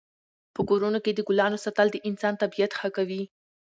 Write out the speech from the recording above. په کورونو کې د ګلانو ساتل د انسان طبعیت ښه کوي.